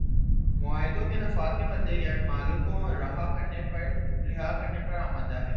معاہدوں کے نفاذ کے بدلے یرغمالوں کو رہا کرنے پر آمادہ ہے